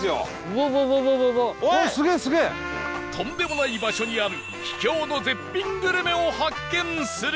とんでもない場所にある秘境の絶品グルメを発見する